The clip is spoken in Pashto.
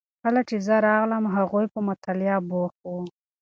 کله چې زه راغلم هغوی په مطالعه بوخت وو.